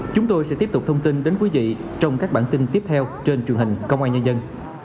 chúng tôi sẽ tiếp tục thông tin đến quý vị trong các bản tin tiếp theo trên truyền hình công an nhân dân